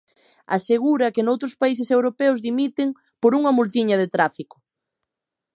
Asegura que noutros países europeos dimiten "por unha multiña de tráfico".